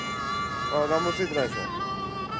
何もついてないっすね。